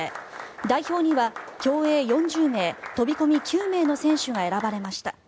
代表には競泳４０名飛込９名の選手が選ばれました。